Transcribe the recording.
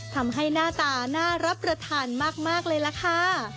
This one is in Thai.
ทำให้หน้าตาน่ารับประทานมากเลยล่ะค่ะ